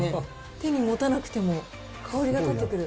手に持たなくても、香りが立ってくる。